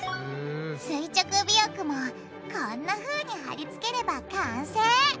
垂直尾翼もこんなふうにはりつければ完成！